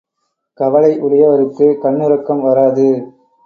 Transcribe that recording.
கவலை உடையோர்க்குக் கண்ணுறக்கம் வராது.